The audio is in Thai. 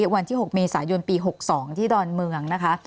วันที่๖เมษายนปี๖๒ที่ดอนเมืองนะคะ